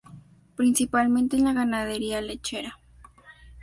Principalmente en la ganadería lechera.